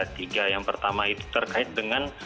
tiga yang pertama itu terkait dengan